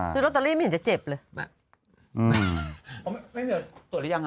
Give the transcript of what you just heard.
ซื้อรอตรอรี่ไม่เห็นเจ็บเลย